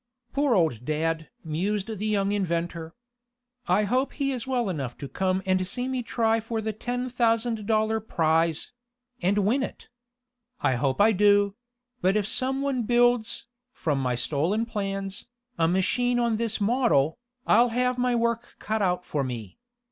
"Poor old dad!" mused the young inventor. "I hope he is well enough to come and see me try for the ten thousand dollar prize and win it! I hope I do; but if some one builds, from my stolen plans, a machine on this model, I'll have my work cut out for me."